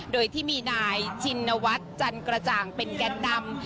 โดยที่มีนายชินวัฒน์จันกระจ่างเป็นแก่นำ